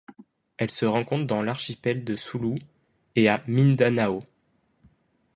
Elle se rencontre dans l'archipel de Sulu et à Mindanao.